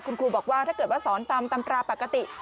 คุณครูบอกว่าถ้าเกิดว่าสอนตามตำราปกติ